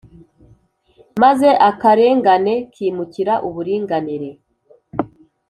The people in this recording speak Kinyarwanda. maze akarengane kimukira uburinganire